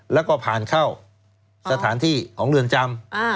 แล้วก็ผ่านเข้าสถานที่ของเรือนจำ